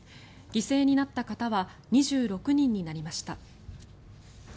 犠牲になった方は２６人になりました。